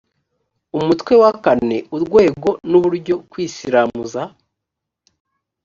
umutwe wa kane urwego n uburyo kwisiramuza